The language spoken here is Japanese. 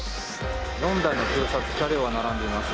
４台の警察車両が並んでいます。